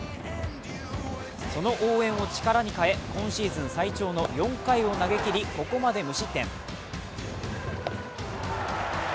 その応援を力に変え、シーズン最長の４回を投げきり、ここまで無失点。